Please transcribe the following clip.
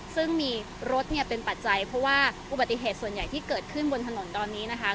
ซึ่งมีรถเนี่ยเป็นปัจจัยเพราะว่าอุบัติเหตุส่วนใหญ่ที่เกิดขึ้นบนถนนตอนนี้นะคะ